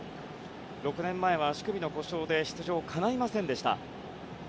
６年前は足首の故障で出場がかないませんでした。